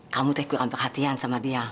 kamu teh kurang perhatian sama dia